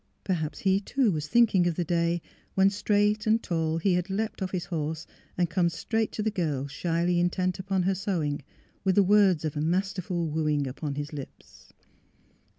Perhaps he, too, was thinking of the day when, straight and tall, he had leaped off his horse and come straight to the girl shyly intent upon her sewing, with the words of a masterful wooing upon his lips.